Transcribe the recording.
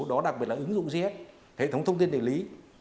đó đặc biệt là ứng dụng gis hệ thống thông tin địa lý